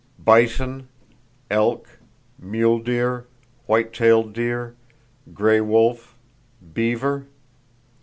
Bison, elk, mule deer, white tailed deer, gray wolf, beaver